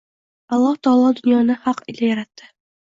Alloh taolo dunyoni haq ila yaratdi